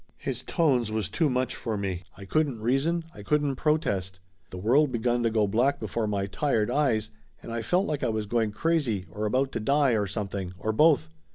His tones was too much for me. I couldn't reason, I couldn't protest. The world begun to go black before my tired eyes and I felt like I was going crazy, or about to die, or something, or both